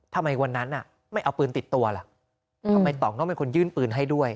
ทำไมวันนั้นไม่เอาปืนติดตัวล่ะทำไมต่องต้องเป็นคนยื่นปืนให้ด้วย